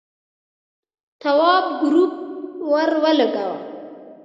تواب گروپ ور ولگاوه.